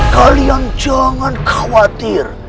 kalian jangan khawatir